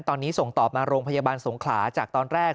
ตอนนี้ส่งต่อมาโรงพยาบาลสงขลาจากตอนแรก